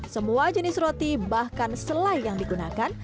semua jenis roti bahkan selai yang digunakan